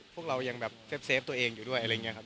พวกเรายังแบบเซฟตัวเองอยู่ด้วยอะไรอย่างนี้ครับ